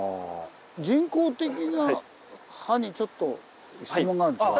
人工的な派にちょっと質問があるんですけど。